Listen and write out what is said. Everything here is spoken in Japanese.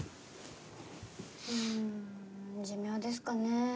うん寿命ですかねぇ。